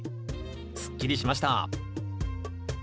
すっきりしました。